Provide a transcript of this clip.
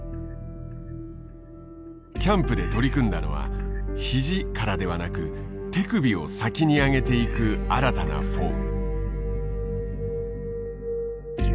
キャンプで取り組んだのは肘からではなく手首を先に上げていく新たなフォーム。